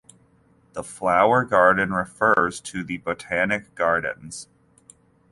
The "flower garden" refers to the Botanic Gardens.